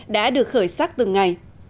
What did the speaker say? đã được khởi sắc từ ngày